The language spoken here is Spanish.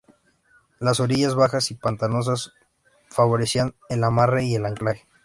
Las orillas bajas y pantanosas favorecían el amarre y el anclaje.